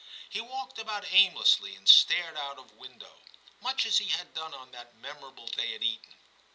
He walked about aimlessly and stared out of window, much as he had done on that memorable day at Eton.